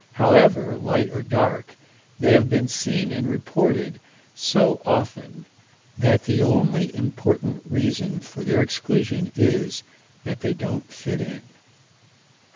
However, light or dark, they have been seen and reported so often that the only important reason for their exclusion is that they don't fit in.